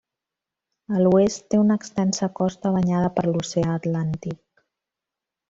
A l'oest, té una extensa costa banyada per l'oceà Atlàntic.